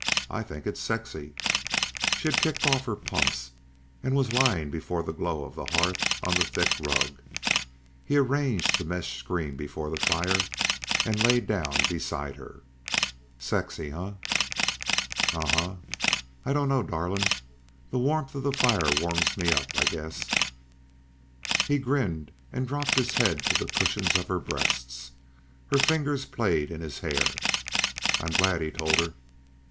I think it's sexy." She had kicked off her pumps and was lying before the glow of the hearth on the thick rug. He arranged the mesh screen before the fire and laid down beside her. "Sexy, huh?" "Uh huh. I don't know, darling ... the warmth of the fire warms me up, I guess." He grinned and dropped his head to the cushions of her breasts. Her fingers played in his hair. "I'm glad," he told her.